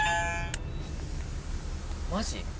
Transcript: マジ？